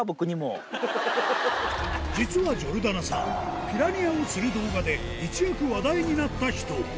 実はジョルダナさん、ピラニアを釣る動画で、一躍話題になった人。